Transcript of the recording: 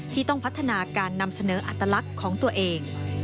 ที่ต้องพัฒนาการนำเสนออัตลักษณ์ของตัวเอง